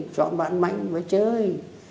chọn bạn mạnh mà chơi